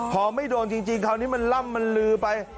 พอไม่โดนจริงคราวนี้มันล่ำมันลือไป